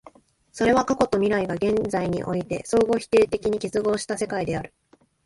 それは過去と未来が現在において相互否定的に結合した世界である。